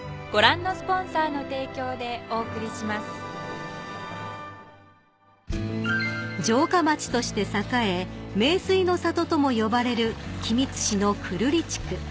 俺がこの役だったのに［城下町として栄え名水の里とも呼ばれる君津市の久留里地区］